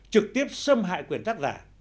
trực tiếp xâm hại quyền tác giả